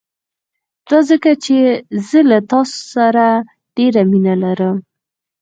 دا ځکه چې زه له تا سره ډېره مينه لرم.